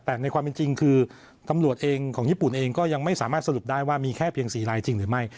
แต่ในความเป็นจริงคือตำรวจเองของญี่ปุ่นเองก็ยังไม่สามารถสรุปได้ว่ามีแค่เพียง๔ลายจริงหรือไม่